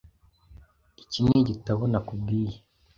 Iki nigitabo nakubwiye.